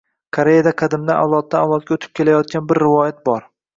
Koreyada qadimdan avloddan-avlodga o`tib kelayotgan bir rivoyat bor